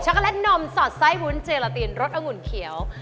ช็อกโกแลตนมสอดไซส์วุ้นเจราตินรสอาหุ่นเขียว